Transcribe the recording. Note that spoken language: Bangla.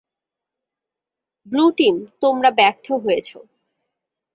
ব্লু টিম, তোমরা ব্যর্থ হয়েছো।